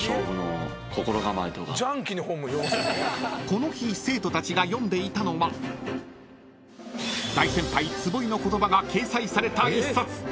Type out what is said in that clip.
［この日生徒たちが読んでいたのは大先輩坪井の言葉が掲載された一冊］